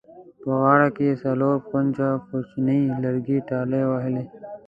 په غاړه کې یې څلور کونجه کوچیني لرګي ټالۍ وهلې.